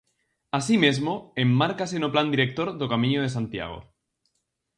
Así mesmo, enmárcase no Plan Director do Camiño de Santiago.